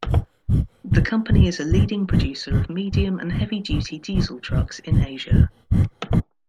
The company is a leading producer of medium and heavy-duty diesel trucks in Asia.